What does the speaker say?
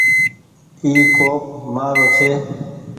اي ڪوپ مآرو ڇي۔